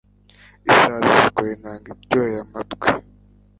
Isazi zikora inanga iryoheye amatwi